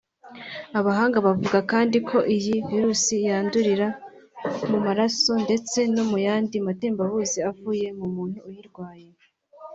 Abahanga bavuga kandi ko iyi virus yandurira mu maraso ndetse no mu yandi matembabuzi avuye mu muntu uyirwaye